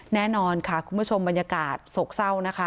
แน่นอนค่ะคุณผู้ชมบรรยากาศโศกเศร้านะคะ